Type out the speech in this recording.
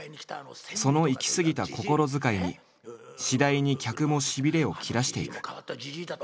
そのいきすぎた心遣いに次第に客もしびれを切らしていく。